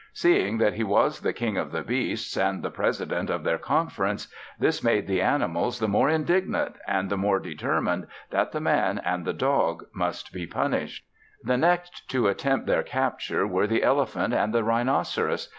Seeing that he was the King of the Beasts and the President of their Conference, this made the animals the more indignant and the more determined that the Man and the dog must be punished. The next to attempt their capture were the elephant and the rhinoceros.